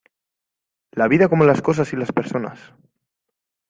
La vida como las cosas y las personas.